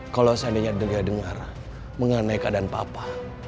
kalau seandainya dia dengar mengenai keadaan papa